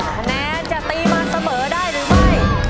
คะแนนจะตีมาเสมอได้หรือไม่